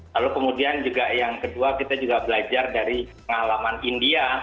lalu kemudian juga yang kedua kita juga belajar dari pengalaman india